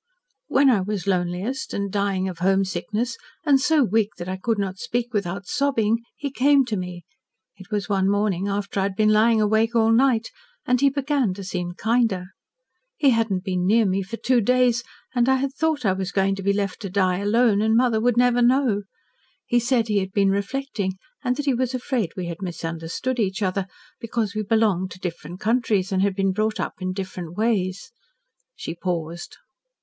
"When I was loneliest, and dying of homesickness, and so weak that I could not speak without sobbing, he came to me it was one morning after I had been lying awake all night and he began to seem kinder. He had not been near me for two days, and I had thought I was going to be left to die alone and mother would never know. He said he had been reflecting and that he was afraid that we had misunderstood each other because we belonged to different countries, and had been brought up in different ways " she paused.